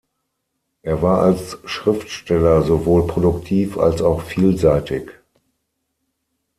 Er war als Schriftsteller sowohl produktiv als auch vielseitig.